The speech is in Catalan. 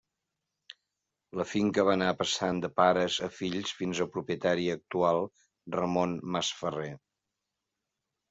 La finca va anar passant de pares a fills fins al propietari actual, Ramon Masferrer.